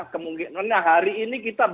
kemungkinan nah hari ini kita